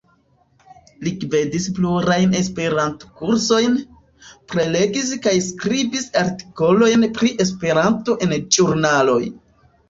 Li gvidis plurajn Esperanto-kursojn, prelegis kaj skribis artikolojn pri Esperanto en ĵurnaloj.